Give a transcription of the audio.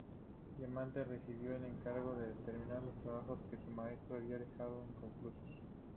Diamante recibió el encargo de terminar los trabajos que su maestro había dejado inconclusos.